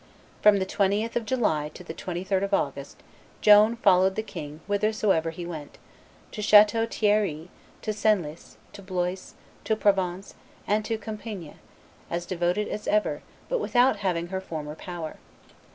From the 20th of July to the 23d of August Joan followed the king whithersoever he went, to Chateau Thierry, to Senlis, to Blois, to Provins, and to Compigne, as devoted as ever, but without having her former power.